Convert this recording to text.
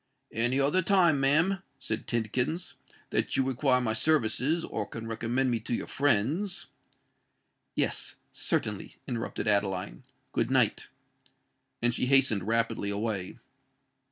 "Any other time, ma'am," said Tidkins, "that you require my services—or can recommend me to your friends——" "Yes—certainly," interrupted Adeline. "Good night." And she hastened rapidly away.